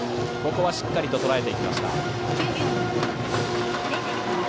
ここはしっかりとらえました。